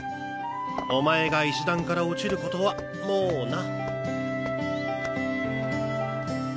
お前が石段から落ちる事はもうな。